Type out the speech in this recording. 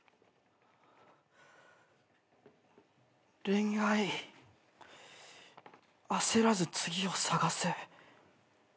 「恋愛」「焦らず次を探せ」